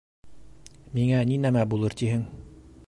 Миңә ни нәмә булыр тиһең.